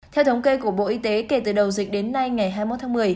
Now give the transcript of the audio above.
theo thống kê của bộ y tế kể từ đầu dịch đến nay ngày hai mươi một tháng một mươi